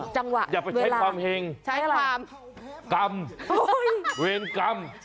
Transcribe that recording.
อย่าไปใช้ความเห็งใช้ความกรรมเวรกรรม